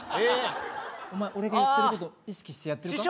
お前俺が言ってること意識してやってるか？